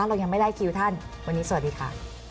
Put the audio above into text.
เรายังไม่ได้คิวท่านวันนี้สวัสดีค่ะ